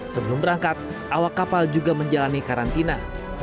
sebelum berangkat awak kapal juga menjalani karantina